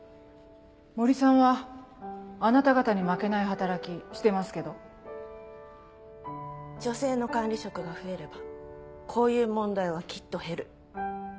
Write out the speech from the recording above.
森さんはあなた方に負けない働き女性の管理職が増えればこういう問題はきっと減る。